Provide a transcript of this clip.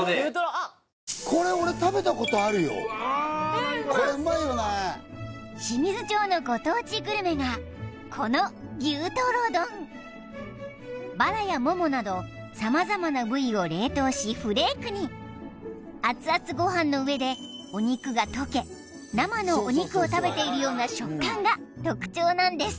そんなというのが清水町のご当地グルメがこのバラやモモなど様々な部位を冷凍しフレークに熱々ご飯の上でお肉がとけ生のお肉を食べているような食感が特徴なんです